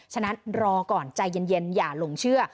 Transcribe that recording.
ฉะนั้นรอก่อนใจเย็นอย่าหลงเชื่อ